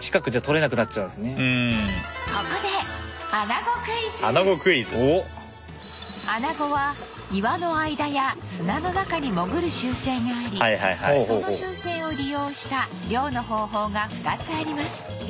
ここでアナゴは岩の間や砂の中に潜る習性がありその習性を利用した漁の方法が２つあります